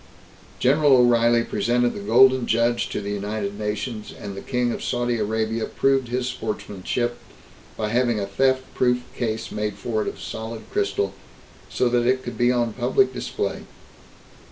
General O'Reilly presented the Golden Judge to the United Nations, and the King of Saudi Arabia proved his sportsmanship by having a theft proof case made for it of solid crystal, so that it could be on public display.